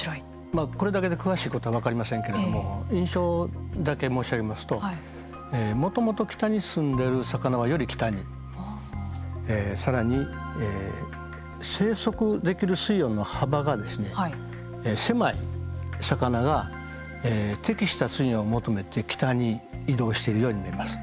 まあこれだけで詳しいことは分かりませんけれども印象だけ申し上げますと更に生息できる水温の幅がですね狭い魚が適した水温を求めて北に移動しているように見えます。